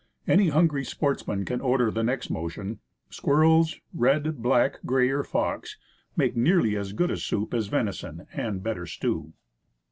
Any hungry sportsman can order the next motion. Squir rels red, black, gray or fox make nearly as good a soup as venison,* and a better stew.